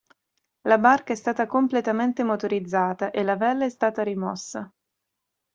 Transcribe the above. La barca è stata completamente motorizzata e la vela è stata rimossa.